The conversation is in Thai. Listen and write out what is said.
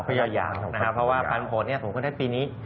เพื่อยาวเพราะว่าปันผลสมมุตินี้